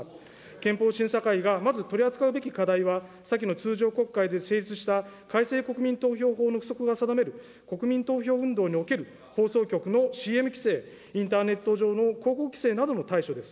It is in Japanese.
憲法審査会がまず、取り扱うべき課題は、先の通常国会で成立した改正国民投票法の付則が定める国民投票運動における放送局のＣＭ規制、インターネット上の広告規制などの対処です。